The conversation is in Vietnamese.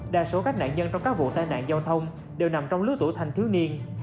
đa số các nạn nhân trong các vụ tai nạn giao thông đều nằm trong lứa tuổi thanh thiếu niên